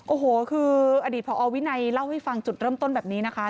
โอ้โหคืออดีตพอวินัยเล่าให้ฟังจุดเริ่มต้นแบบนี้นะคะ